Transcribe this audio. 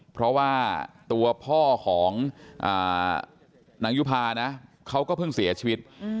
เพราะว่าตัวพ่อของนางยุภานะเขาก็เพิ่งเสียชีวิต